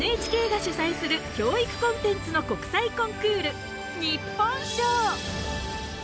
ＮＨＫが主催する教育コンテンツの国際コンクール日本賞。